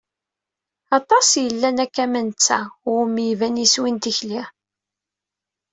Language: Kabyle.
Aṭas i yellan akka am netta, iwumi iban yiswi n tikli.